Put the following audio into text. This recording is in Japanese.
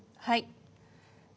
はい。